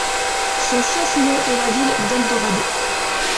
Son chef-lieu est la ville d'Eldorado.